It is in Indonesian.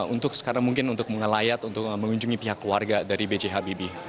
untuk sekarang mungkin untuk mengelayat untuk mengunjungi pihak keluarga dari b j habibie